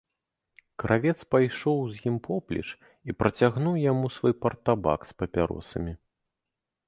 Кравец пайшоў з ім поплеч і працягнуў яму свой партабак з папяросамі.